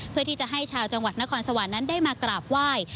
เพื่อที่จะให้ชาวจังหวัดนครสวรรค์นั้นได้มากราบไหว้